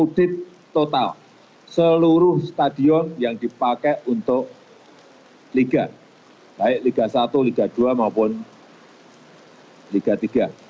audit total seluruh stadion yang dipakai untuk liga baik liga satu liga dua maupun liga tiga